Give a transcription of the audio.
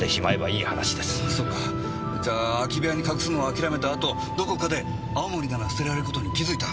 そっかじゃあ空き部屋に隠すのを諦めたあとどこかで青森なら捨てられる事に気づいた。